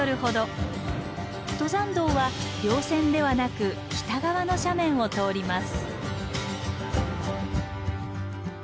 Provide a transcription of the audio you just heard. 登山道は稜線ではなく北側の斜面を通ります。